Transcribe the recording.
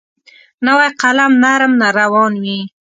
نوی قلم نرم روان وي.